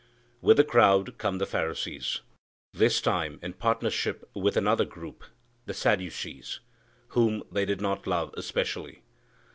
With the crowd come the Pharisees, this time in partnership with another group, the Sadducees, whom they did not love especially.